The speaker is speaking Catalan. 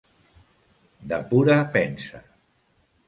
De pura pensa.